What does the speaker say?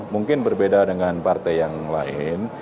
mungkin berbeda dengan partai yang lain